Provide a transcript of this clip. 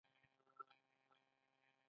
روژه د الله نعمتونه زیاتوي.